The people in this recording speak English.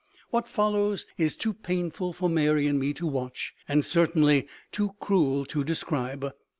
What follows is too painful for Mary and me to watch and certainly too cruel to describe.